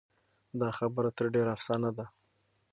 دا خبره تر ډېره افسانه ده.